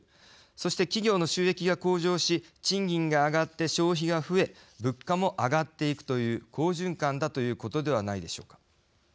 そして企業の収益が向上し賃金が上がって消費が増え物価も上がっていくという好循環だということではないでしょうか。